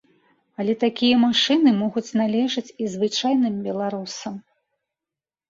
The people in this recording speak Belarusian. Але такія машыны могуць належаць і звычайным беларусам.